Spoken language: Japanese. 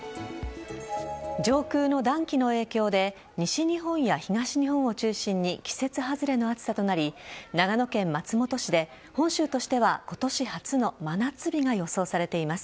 上空の暖気の影響で西日本や東日本を中心に季節外れの暑さとなり長野県松本市で本州としては今年初の真夏日が予想されています。